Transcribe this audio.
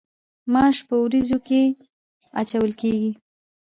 ماش په وریجو کې اچول کیږي.